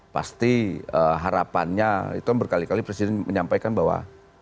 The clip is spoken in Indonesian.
pasti harapannya itu berkali kali presiden menyampaikan bahwa